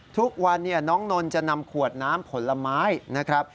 ทุกวันน้องนนท์จะนำขวดน้ำผลไม้นะครับ